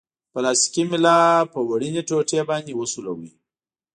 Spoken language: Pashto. پلاستیکي میله په وړیني ټوټې باندې وسولوئ.